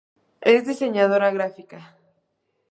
Es diseñadora gráfica.